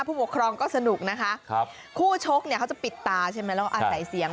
ผู้ปกครองก็สนุกนะคะครับคู่ชกเนี่ยเขาจะปิดตาใช่ไหมแล้วอาศัยเสียง